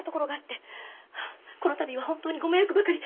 この度は本当にご迷惑ばかり。